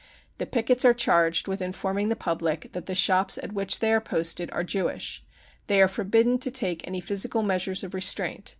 The pickets are charged with informing the public that the shops at which they are posted are Jewish. They are forbidden to take any physical measures of restraint.